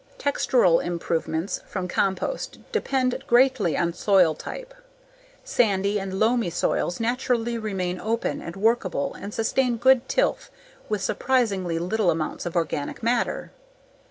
Textural improvements from compost depend greatly on soil type. Sandy and loamy soils naturally remain open and workable and sustain good tilth with surprisingly small amounts of organic matter.